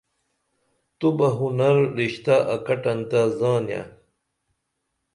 تُوبہ ہُنر رشتہ اکٹن تہ زانیہ